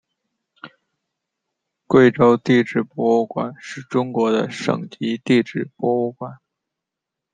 贵州地质博物馆是中国的省级地质博物馆。